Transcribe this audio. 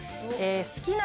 好きな。